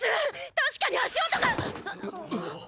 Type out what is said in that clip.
確かに足音が！